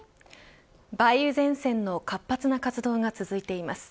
梅雨前線の活発な活動が続いています。